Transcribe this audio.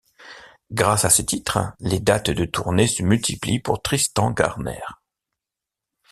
Grâce à ces titres, les dates de tournées se multiplient pour Tristan Garner.